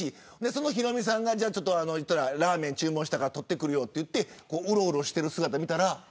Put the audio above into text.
そのヒロミさんがラーメン注文したから取ってくるよと言ってうろうろしている姿を見たら。